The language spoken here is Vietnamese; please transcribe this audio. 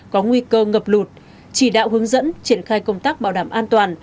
có nguy cơ ngập lụt chỉ đạo hướng dẫn triển khai công tác bảo đảm an toàn